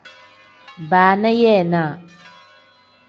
Baana yeenaa.